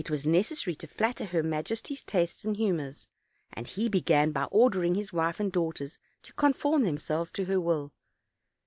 was necessary to flatter her majesty's tastes and humors; and he began by ordering his wife and daughters to con form themselves to her will.